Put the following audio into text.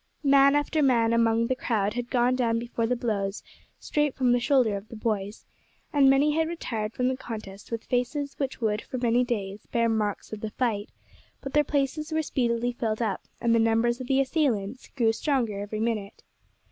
Man after man among the crowd had gone down before the blows straight from the shoulder of the boys, and many had retired from the contest with faces which would for many days bear marks of the fight; but their places were speedily filled up, and the numbers of the assailants grew stronger every minute.